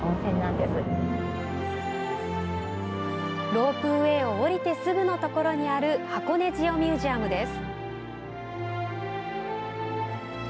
ロープウエーを降りてすぐのところにある箱根ジオミュージアムです。